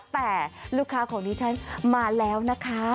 แต่ลูกค้าของดิฉันมาแล้วนะคะ